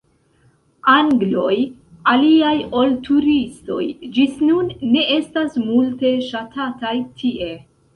Angloj, aliaj ol turistoj, ĝis nun ne estas multe ŝatataj tie.